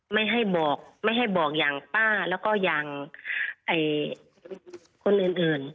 ไม่ให้บอกอย่างป้าแล้วก็อย่างคนอื่น